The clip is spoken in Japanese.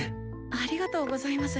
ありがとうございます。